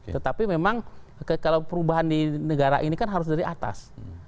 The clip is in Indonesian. tetapi memang kalau perubahan di negara ini kan harus dari atas